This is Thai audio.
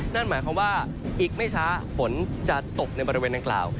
นั่นหมายความว่าอีกไม่ช้าฝนจะตกในบริเวณดังกล่าว